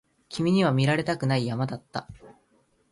君には見られたくない山だった